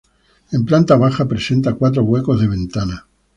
En planta baja presenta cuatro huecos de ventana.